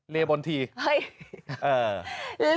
เรียบบนทีเฮ้ยเออ